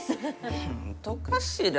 本当かしら。